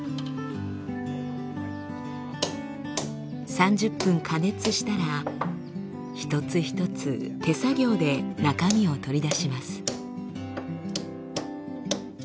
３０分加熱したら一つ一つ手作業で中身を取り出します。